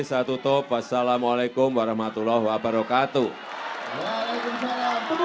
wassalamualaikum warahmatullahi wabarakatuh